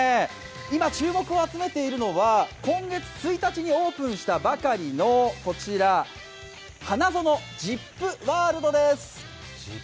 今、注目を集めているのは今月１日にオープンしたばかりのこちら、ＨＡＮＡＺＯＮＯジップワールドです。